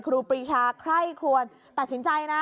ครูปรีชาใคร่ควรตัดสินใจนะ